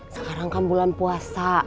sekarang kan bulan puasa